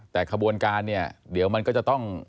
แต่ขบวนการเนี่ยเดี๋ยวมันก็จะต้อง